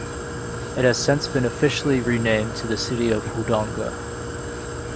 It has since been officially renamed to the City of Wodonga.